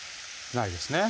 ないです